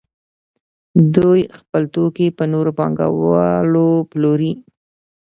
دوی خپل توکي په نورو پانګوالو پلوري